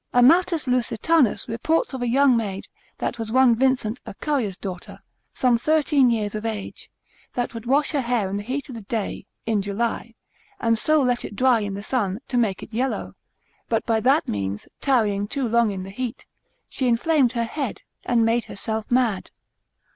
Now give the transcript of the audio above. Amatus Lusitanus, cent. 1. curat. 45, reports of a young maid, that was one Vincent a currier's daughter, some thirteen years of age, that would wash her hair in the heat of the day (in July) and so let it dry in the sun, to make it yellow, but by that means tarrying too long in the heat, she inflamed her head, and made herself mad.